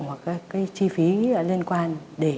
hoặc cái chi phí liên quan đến tiền dụng